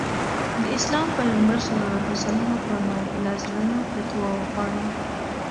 د اسلام پيغمبر ص وفرمايل له زړه نه فتوا وغواړه.